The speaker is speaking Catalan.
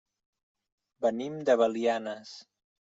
Venim de Belianes.